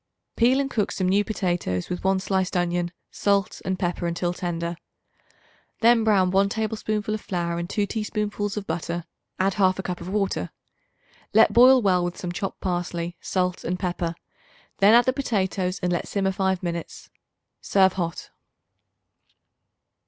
Peel and cook some new potatoes with 1 sliced onion, salt and pepper, until tender. Then brown 1 tablespoonful of flour in 2 teaspoonfuls of butter; add 1/2 cup of water; let boil well with some chopped parsley, salt and pepper; then add the potatoes and let simmer five minutes. Serve hot.